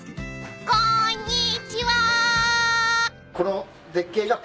［こんにちは］いえ。